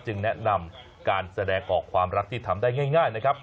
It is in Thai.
แนะนำการแสดงออกความรักที่ทำได้ง่ายนะครับ